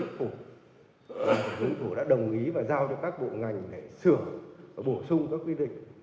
chính phủ đã đồng ý và giao cho các bộ ngành để sửa và bổ sung các quy định